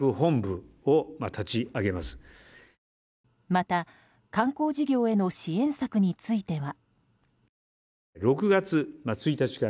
また、観光事業への支援策については。